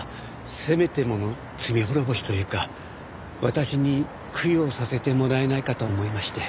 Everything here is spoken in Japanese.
せめてもの罪滅ぼしというか私に供養させてもらえないかと思いまして。